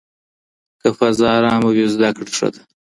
که فضا ارامه وي زده کړه ښه ده.